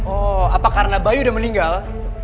oh apa karena bayi udah meninggal